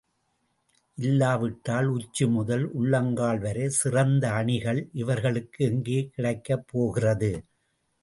இல்லாவிட்டால் உச்சி முதல் உள்ளங்கால் வரை சிறந்த அணிகள் இவர்களுக்கு எங்கே கிடைக்கப்போகிறது?